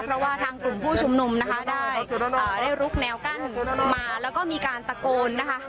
เพราะว่าทางกลุ่มผู้ชุมนุมนะคะได้ลุกแนวกั้นมาแล้วก็มีการตะโกนนะคะ